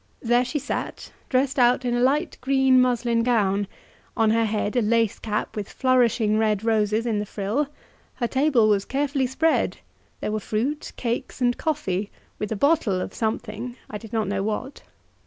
There she sat, dressed out in a light green muslin gown, on her head a lace cap with flourishing red roses in the frill; her table was carefully spread; there were fruit, cakes, and coffee, with a bottle of something I did not know what.